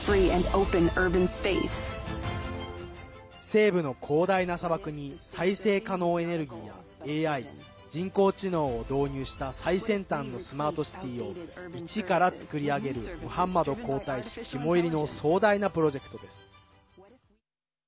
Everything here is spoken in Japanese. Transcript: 西部の広大な砂漠に再生可能エネルギーやＡＩ＝人工知能を導入した最先端のスマートシティを一から作り上げるムハンマド皇太子、肝煎りの壮大なプロジェクトです。